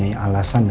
pada bola angkanya